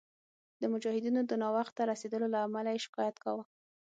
د مجاهدینو د ناوخته رسېدلو له امله یې شکایت کاوه.